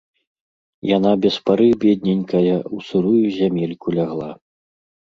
Яна без пары, бедненькая, у сырую зямельку лягла.